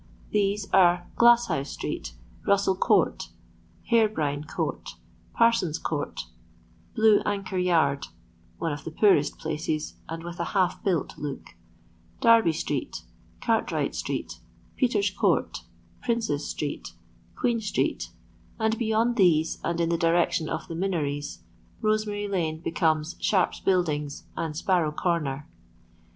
These are Glasshouse street, Rus sell court, Hairbrine court, Parson's court, Blue Anchor yard (one of the poorest places and with a half built look), Darby street, Cartwright street, Peter's court, Princes street, Queen street, and be yond these and in the direction of the Minories, Rosemary lane becomes Sharp's buildings and Sparrow corner.